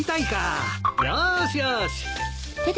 よーしよし。